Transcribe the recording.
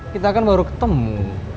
kita kan baru ketemu